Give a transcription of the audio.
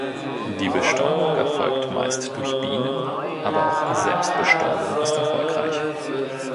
Die Bestäubung erfolgt meist durch Bienen, aber auch Selbstbestäubung ist erfolgreich.